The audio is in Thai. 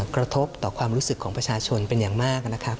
กระทบต่อความรู้สึกของประชาชนเป็นอย่างมากนะครับ